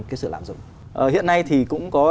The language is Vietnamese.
cái sự lạm dụng hiện nay thì cũng có